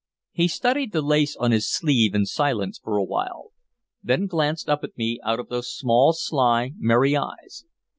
He studied the lace on his sleeve in silence for a while; then glanced up at me out of those small, sly, merry eyes.